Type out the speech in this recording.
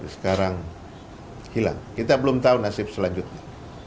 sekarang hilang kita belum tahu nasib selanjutnya